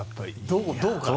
どうかな。